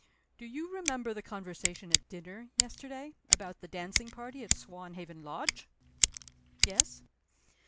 Do you remember the conversation at dinner yesterday, about the dancing party at Swanhaven Lodge?" "Yes."